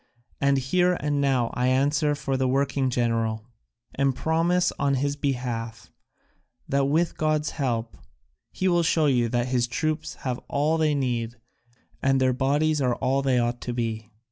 And here and now I answer for the working general, and promise on his behalf that with God's help he will show you that his troops have all they need and their bodies are all they ought to be.